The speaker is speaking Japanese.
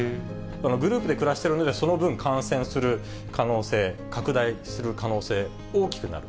グループで暮らしているので、その分、感染する可能性、拡大する可能性、大きくなる。